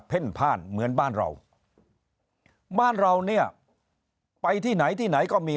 พ่านเหมือนบ้านเราบ้านเราเนี่ยไปที่ไหนที่ไหนก็มี